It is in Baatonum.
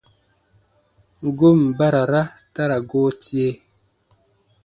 Goon barara ta ra goo tie.